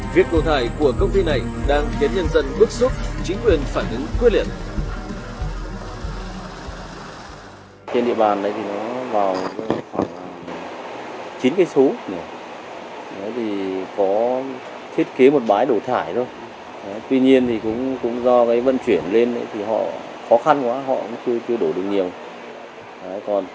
việc đổ thải của công ty này đang khiến nhân dân bức xúc chính quyền phản ứng quyết liệt